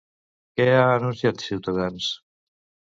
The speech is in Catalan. Què ha anunciat Ciutadans?